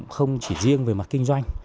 không chỉ riêng về mặt kinh doanh